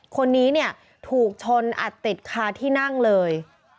คนนี้เนี่ยถูกชนอัดติดคาที่นั่งเลย